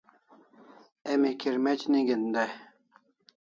Emi kirmec' nig'en dai